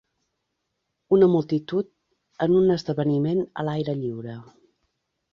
Una multitud en un esdeveniment a l'aire lliure.